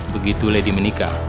begitu lady menikah